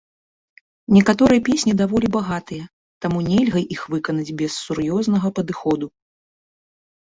Некаторыя песні даволі багатыя, таму нельга іх выканаць без сур'ёзнага падыходу.